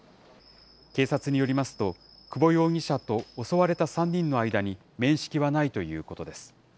警察によりますと、久保容疑者と襲われた３人の間に面識はないということです。